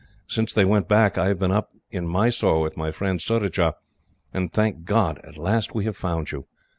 Since they went back, I have been up in Mysore with my friend Surajah, and, thank God, at last we have found you!"